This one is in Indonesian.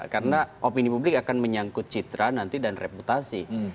karena opini publik akan menyangkut citra nanti dan reputasi